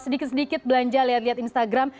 sedikit sedikit belanja lihat lihat instagram